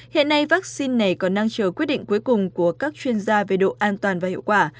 hiện nay vaccine này còn đang chờ quyết định cuối cùng của các chuyên gia về độ an toàn và hiệu quả